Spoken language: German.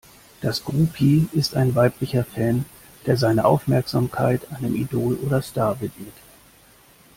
Das Groupie ist ein weiblicher Fan, der seine Aufmerksamkeit einem Idol oder Star widmet.